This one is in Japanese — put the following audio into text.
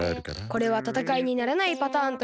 これはたたかいにならないパターンとみた。